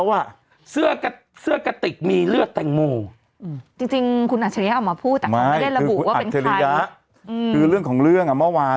เหตุผลผีหรือเปล่า